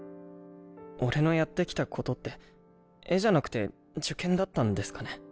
俺のやってきたことって絵じゃなくて受験だったんですかね。